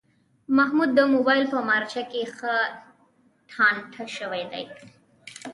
محمود د مبایل په مارچه کې ښه ټانټه شوی دی.